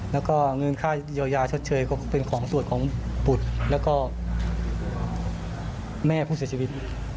แล้วก็เงินค่าเยียวยาชดเชยก็เป็นของสวดของบุตรแล้วก็แม่ผู้เสียชีวิต